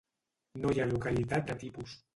No hi ha localitat de tipus.